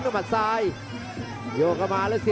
โอ้โหไม่พลาดกับธนาคมโด้แดงเขาสร้างแบบนี้